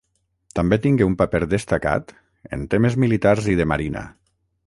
També tingué un paper destacat en temes militars i de marina.